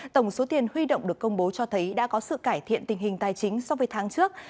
tổng số tiền huy động được công bố cho thấy đã có sự cải thiện tình hình tài chính so với tháng trước